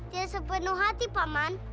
tidak sepenuh hati pak man